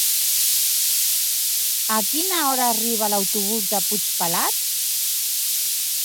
A quina hora arriba l'autobús de Puigpelat?